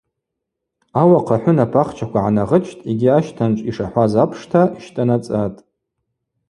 Ауахъ ахӏвынап ахчаква гӏанагъычтӏ йгьи ащтанчӏв йшахӏваз апшта йщтӏанацӏатӏ.